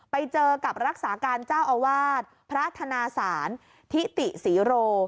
ไปเจอกับรักษาการเจ้าอาวาสพระธนาศาลทิติศรีโร